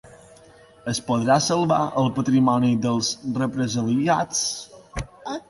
Es podrà salvar el patrimoni dels represaliats?